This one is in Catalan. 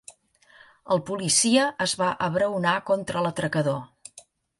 El policia es va abraonar contra l'atracador.